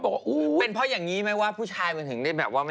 บอกว่าเป็นเพราะอย่างนี้ไหมว่าผู้ชายมันถึงได้แบบว่า